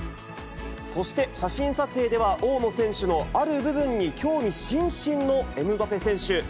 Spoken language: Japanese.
そして、写真撮影では大野選手のある部分に興味津々のエムバペ選手。